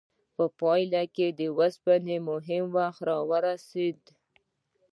په پایله کې د اوسپنې مهم وخت راورسید.